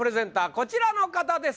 こちらの方です